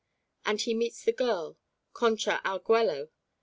And he meets the girl, Concha Arguello.